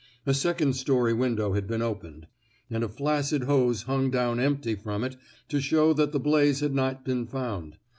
A second story win dow had been opened, and a flaccid hose hung down empty from it to show that the blaze had not been found.